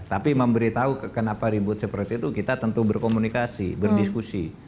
tapi memberitahu kenapa ribut seperti itu kita tentu berkomunikasi berdiskusi